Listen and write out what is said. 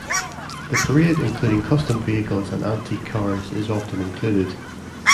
The parade including custom vehicles and antique cars is often included.